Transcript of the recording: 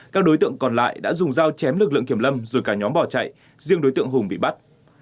các đối tượng còn lại đã dùng dao chém lực lượng kiểm lâm rồi cả nhóm bỏ chạy riêng đối tượng hùng bị bắt